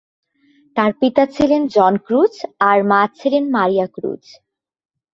তার পিতা ছিলেন জন ক্রুজ আর মা ছিলেন মারিয়া ক্রুজ।